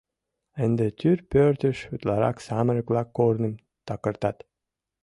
Ынде тӱр пӧртыш утларак самырык-влак корным такыртат.